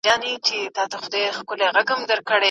سپین ږیري او ماشومان باید د ژمي په موسم کې تودې جامې واغوندي.